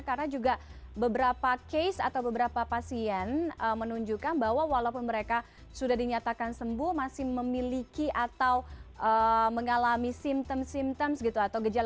karena juga beberapa case atau beberapa pasien menunjukkan bahwa walaupun mereka sudah dinyatakan sembuh masih memiliki atau mengalami simptom simptoms gitu atau gejala